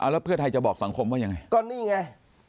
แล้วเพื่อไทยจะบอกสังคมว่ายังไง